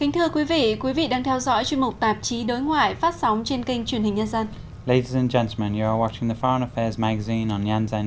thưa quý vị quý vị đang theo dõi chương mục tạp chí đối ngoại phát sóng trên kênh truyền hình nhân dân